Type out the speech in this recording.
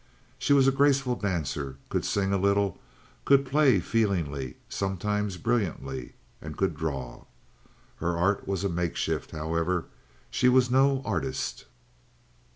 She was a graceful dancer, could sing a little, could play feelingly—sometimes brilliantly—and could draw. Her art was a makeshift, however; she was no artist.